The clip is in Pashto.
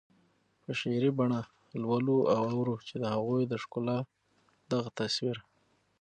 په شعري بڼه لولو او اورو چې د هغوی د ښکلا دغه تصویر